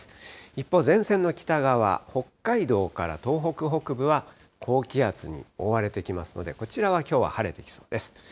一方、前線の北側、北海道から東北北部は高気圧に覆われてきますので、こちらはきょうは晴れてきそうです。